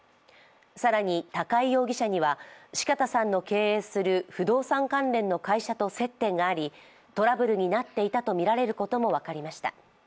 更に高井容疑者には四方さんの経営する不動産関連の会社と接点がありトラブルになっていたとみられることも分かりました。